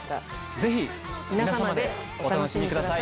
ぜひ皆様でお楽しみください。